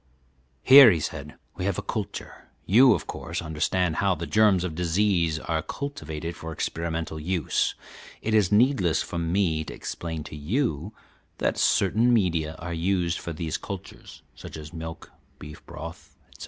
"Here," he said, "we have a culture. You, of course, understand how the germs of disease are cultivated for experimental use. It is needless for me to explain to you that certain media are used for these cultures, such as milk, beef broth, etc.